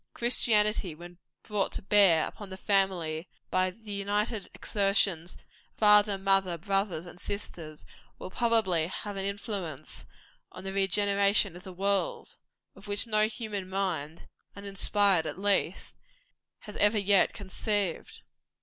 Christianity, when brought to bear upon the family by the united exertions of father, mother, brothers and sisters, will probably have an influence on the regeneration of the world, of which no human mind uninspired at least has ever yet conceived.